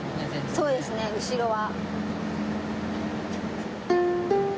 そうですね後ろは。